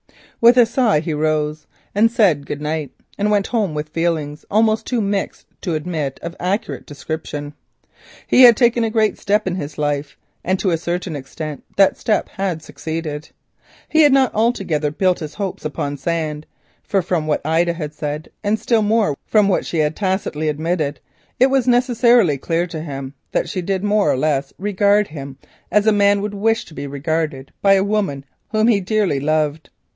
With a sigh he rose, said good night, and went home with feelings almost too mixed to admit of accurate description. He had taken a great step in his life, and to a certain extent that step had succeeded. He had not altogether built his hopes upon sand, for from what Ida had said, and still more from what she had tacitly admitted, it was necessarily clear to him that she did more or less regard him as a man would wish to be regarded by a woman whom he dearly loved.